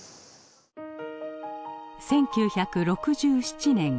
１９６７年。